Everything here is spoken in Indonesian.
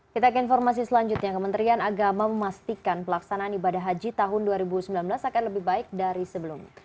kita ke informasi selanjutnya kementerian agama memastikan pelaksanaan ibadah haji tahun dua ribu sembilan belas akan lebih baik dari sebelumnya